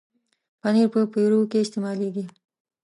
پنېر په پیروکي کې استعمالېږي.